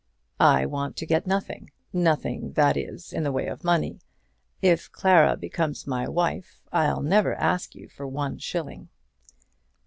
"I want to get nothing; nothing, that is, in the way of money. If Clara becomes my wife I'll never ask you for one shilling."